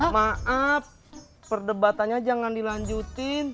maaf perdebatannya jangan dilanjutin